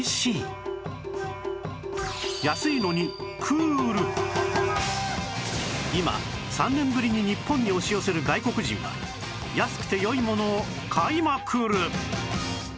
多分今３年ぶりに日本に押し寄せる外国人は安くて良いものを買いまくる！